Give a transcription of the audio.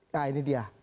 nah ini dia